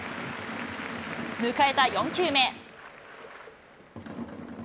迎えた４球目。